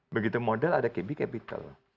begitu model ada kb capital